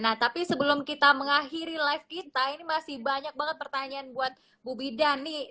nah tapi sebelum kita mengakhiri live kita ini masih banyak banget pertanyaan buat bu bidan nih